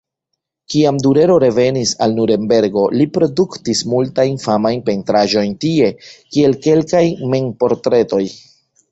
Kiam Durero revenis al Nurenbergo li produktis multajn famajn pentraĵojn tie, kiel kelkaj mem-portretoj.